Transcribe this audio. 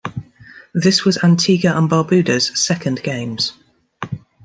This was Antigua and Barbuda's second Games.